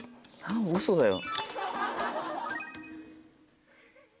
ウソだよ。